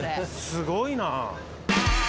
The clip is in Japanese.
すごいな。